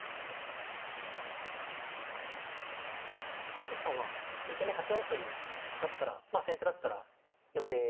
都成さんは２手目８四歩だったらまあ先手だったら予定という感じでしたか。